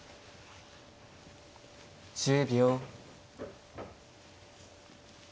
１０秒。